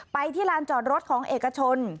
ที่ลานจอดรถของเอกชน